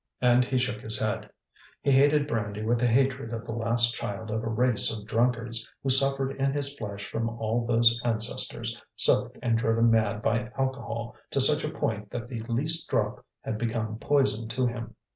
And he shook his head. He hated brandy with the hatred of the last child of a race of drunkards, who suffered in his flesh from all those ancestors, soaked and driven mad by alcohol to such a point that the least drop had become poison to him.